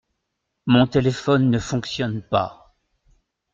Mon téléphone ne fonctionne pas.